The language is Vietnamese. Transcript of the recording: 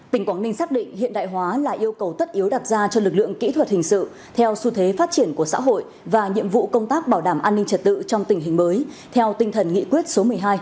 tỉnh quảng ninh xác định hiện đại hóa là yêu cầu tất yếu đặt ra cho lực lượng kỹ thuật hình sự theo xu thế phát triển của xã hội và nhiệm vụ công tác bảo đảm an ninh trật tự trong tình hình mới theo tinh thần nghị quyết số một mươi hai